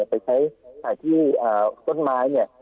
ไปใช้ตายที่ต้นไม้